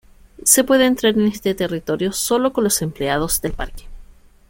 Se puede entrar en este territorio sólo con los empleados del parque.